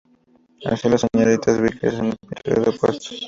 Así, "Las señoritas Vickers" es una pintura de opuestos.